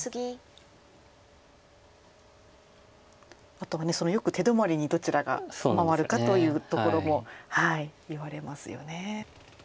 あとはよく手止まりにどちらが回るかというところもいわれますよね。